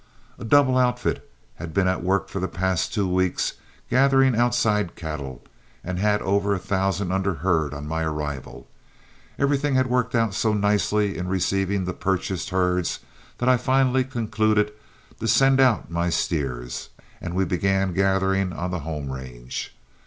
A double outfit had been at work for the past two weeks gathering outside cattle and had over a thousand under herd on my arrival. Everything had worked out so nicely in receiving the purchased herds that I finally concluded to send out my steers, and we began gathering on the home range.